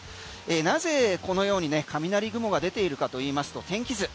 なぜこのようにね雷雲が出ているかといいますと天気図。